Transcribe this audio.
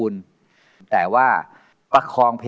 สวัสดีครับ